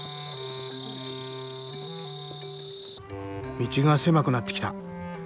道が狭くなってきた。